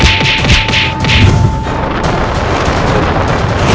jangan menghasut rakyatmu